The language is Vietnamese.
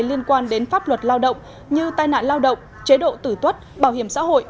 liên quan đến pháp luật lao động như tai nạn lao động chế độ tử tuất bảo hiểm xã hội